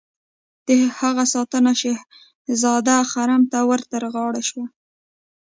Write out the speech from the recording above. د هغه ساتنه شهزاده خرم ته ور تر غاړه شوه.